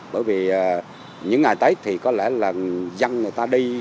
bởi vì những ngày tết thì có lẽ là dân người ta đi